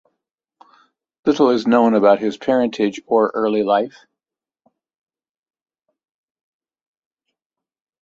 Little is known about his parentage or early life.